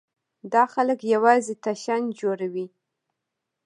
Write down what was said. دا خلک یوازې تشنج جوړوي.